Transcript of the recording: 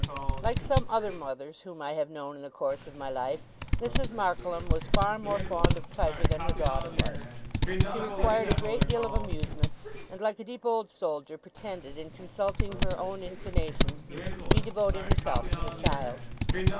Like some other mothers, whom I have known in the course of my life, Mrs. Markleham was far more fond of pleasure than her daughter was. She required a great deal of amusement, and, like a deep old soldier, pretended, in consulting her own inclinations, to be devoting herself to her child.